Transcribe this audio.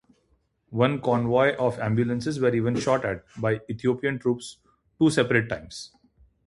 One convoy of ambulances were even shot at by Ethiopian troops two separate times.